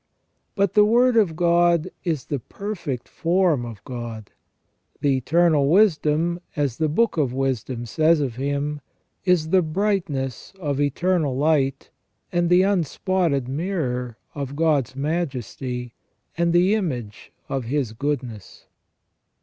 But the Word of God is the perfect form of God. The Eternal Wisdom, as the Book of Wisdom says of Him, is "the brightness of eternal light, and the unspotted mirror of God's majesty, and the image of His goodness